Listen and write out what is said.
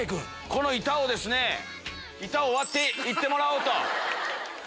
この板をですね割って行ってもらおうと。